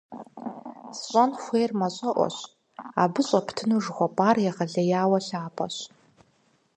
СщӀэн хуейр мащӀэӀуэщ, абы щӀэптыну жыхуэпӀэр егъэлеяуэ лъапӀэщ!